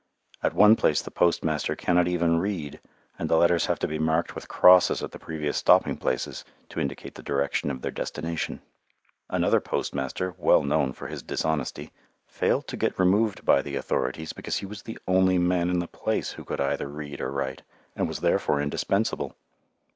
At one place the postmaster cannot even read, and the letters have to be marked with crosses at the previous stopping places, to indicate the direction of their destination. Another postmaster, well known for his dishonesty, failed to get removed by the authorities because he was the only man in the place who could either read or write, and was therefore indispensable.